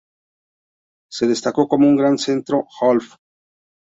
Se destacó como un gran centro half.